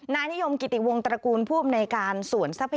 นานิยมกิติวงตระกูลภูมิในการสวนทรัพยาบาล